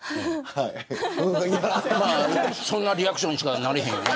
そんなリアクションしかなれへんよね。